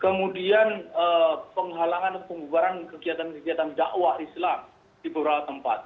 kemudian penghalangan atau pembubaran kegiatan kegiatan dakwah islam di beberapa tempat